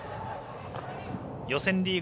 予選リーグ